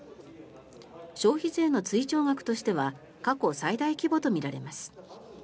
消費税の追徴額としては過去最大規模とみられます。